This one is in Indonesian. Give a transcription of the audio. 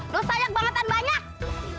dosa yang bangetan banyak